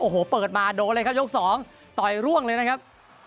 โอ้โหเปิดมาโดนเลยครับยกสองต่อยร่วงเลยนะครับ